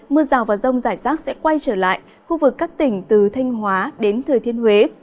mưa rào và rông rải rác sẽ quay trở lại khu vực các tỉnh từ thanh hóa đến thừa thiên huế